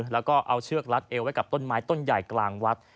แล้วก็เอาเชือกรัดเอวไว้กับต้นไม้ต้นใหญ่กลางวัด